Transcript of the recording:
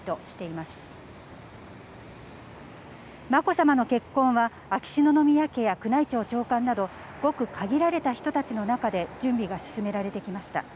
まこさまの結婚は、秋篠宮家や宮内庁長官など、ごく限られた人たちの中で準備が進められてきました。